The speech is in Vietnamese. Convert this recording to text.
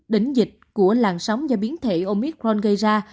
đỉnh dịch của làn sóng do biến thể omicron gây ra